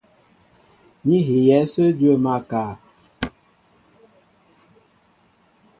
Ní hiyɛ̌ ásə̄ dwə̂ máál kâ.